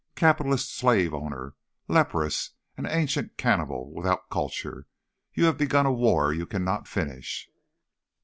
"Capitalist slave owner! Leprous and ancient cannibal without culture! You have begun a war you can not finish!"